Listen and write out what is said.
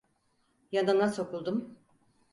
Yanına sokuldum...